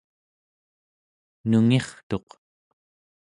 nungirtuq